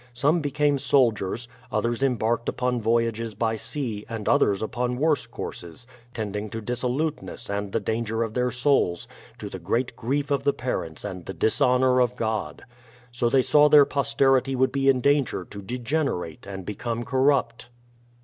Some be came soldiers, others embarked upon voyages by sea and others upon worse courses tending to dissoluteness and the danger of their souls, to the great grief of the parents and the dishonour of God. So they saw their posterity would be in danger to degenerate and become corrupt.